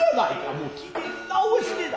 もう機嫌直してえな。